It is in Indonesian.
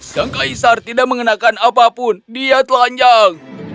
sang kaisar tidak mengenakan apapun dia telanjang